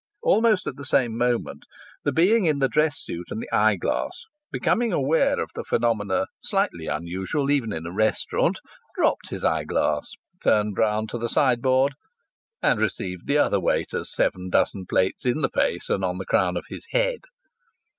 Almost at the same moment the being in the dress suit and the eyeglass, becoming aware of phenomena slightly unusual even in a restaurant, dropped his eyeglass, turned round to the sideboard and received the other waiter's seven dozen plates in the face and on the crown of his head.